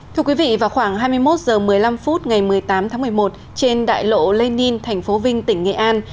thưa quý vị vào khoảng hai mươi một h một mươi năm phút ngày một mươi tám tháng một mươi một trên đại lộ lenin thành phố vinh tỉnh nghệ an